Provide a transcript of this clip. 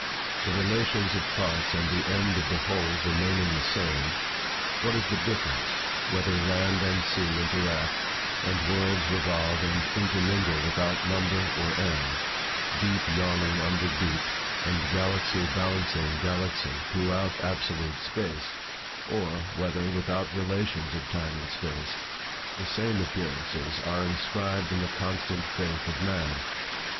The relations of parts and the end of the whole remaining the same, what is the difference, whether land and sea interact, and worlds revolve and intermingle without number or end, deep yawning under deep, and galaxy balancing galaxy, throughout absolute space, or, whether, without relations of time and space, the same appearances are inscribed in the constant faith of man?